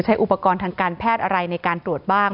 อุปกรณ์ทางการแพทย์อะไรในการตรวจบ้าง